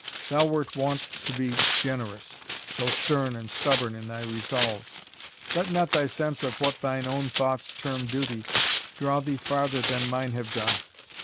Thou wert wont to be generous, though stern and stubborn in thy resolves; let not thy sense of what thine own thoughts term duty, draw thee farther than mine have done.